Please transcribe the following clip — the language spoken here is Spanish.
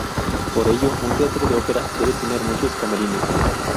Por ello, un teatro de ópera debe tener muchos camerinos.